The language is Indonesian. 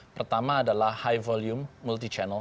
pertama adalah high volume multichannel